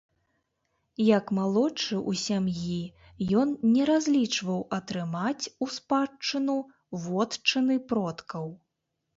Як малодшы ў сям'і ён не разлічваў атрымаць у спадчыну вотчыны продкаў.